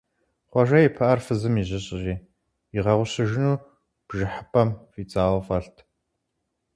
Хъуэжэ и пыӀэр фызым ижьыщӀри, игъэгъущыжыну бжыхьыпэм фӀидзауэ фӀэлът.